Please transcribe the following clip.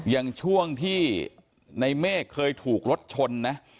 อย่างช่วงที่ในเมฆเคยถูกรถชนนะ